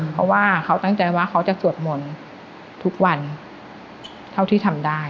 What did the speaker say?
เพราะว่าเขาตั้งใจว่าเขาจะสวดมนต์ทุกวันเท่าที่ทำได้